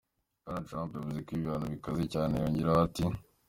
Bwana Trump yavuze ko ibi bihano "bikaze cyane", yongeraho ati:.